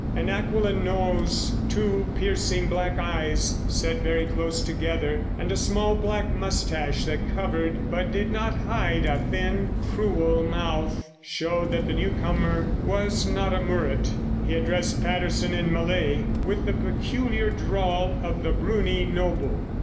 An acquiline nose, two piercing black eyes set very close together, and a small black moustache that covered but did not hide a thin, cruel mouth, showed that the newcomer was not a Murut. He addressed Patterson in Malay with the peculiar drawl of the Brunie noble.